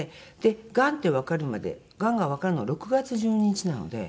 がんってわかるまでがんがわかるのが６月１２日なので。